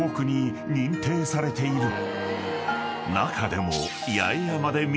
［中でも］